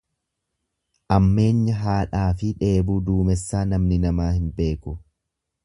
Ammeenya haadhaafi dheebuu duumessaa namni namaa hin argu.